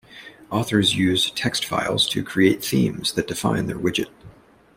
Authors use text files to create themes that define their widget.